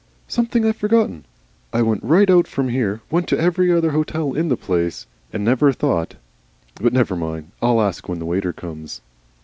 "Something I've forgotten. I went right out from here, went to every other hotel in the place, and never thought But never mind. I'll ask when the waiter comes."